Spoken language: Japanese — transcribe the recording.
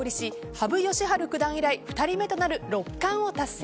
羽生善治九段以来、２人目となる六冠を達成。